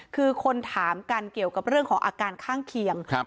คือคนถามกันเกี่ยวกับเรื่องของอาการข้างเคียง